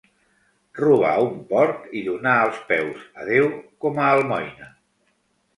Robar un porc i donar els peus a Déu com a almoina.